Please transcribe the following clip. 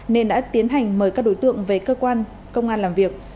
nên đã tiến hành mời các đối tượng về cơ quan công an làm việc